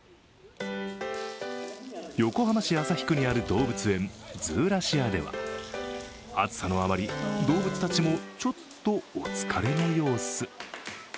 横浜市旭区にある動物園ズーラシアでは、暑さのあまり、動物たちもちょっとお疲れの様子。